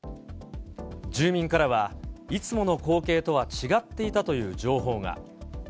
住民からは、いつもの光景とは違っていたという情報が。